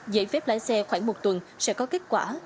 giấy phép lái xe khoảng một tuần sẽ có kết quả